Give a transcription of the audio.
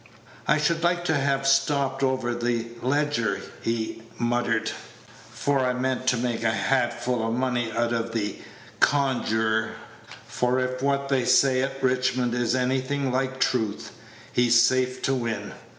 "I should liked to have stopped over the Leger," he muttered, "for I meant to make a Page 110 hatful of money out of the Conjurer; for if what they say at Richmond is anything like truth, he's safe to win.